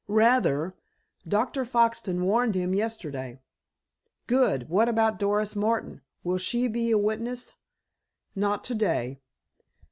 "Rather. Dr. Foxton warned him yesterday." "Good! What about Doris Martin? Will she be a witness?" "Not to day."